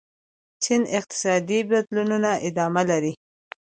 چین اقتصادي بدلونونه ادامه لري.